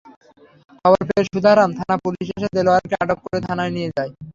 খবর পেয়ে সুধারাম থানা-পুলিশ এসে দেলোয়ারকে আটক করে থানায় নিয়ে যায়।